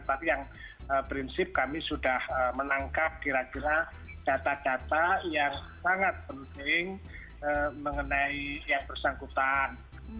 tapi yang prinsip kami sudah menangkap kira kira data data yang sangat penting mengenai yang bersangkutan